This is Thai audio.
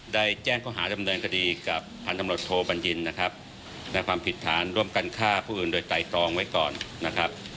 ได้แจ้งข้อหาดำเนินคดีกับพันธมรตโทบัญญินนะครับและความผิดฐานร่วมกันฆ่าผู้อื่นโดยไตรตรองไว้ก่อนนะครับ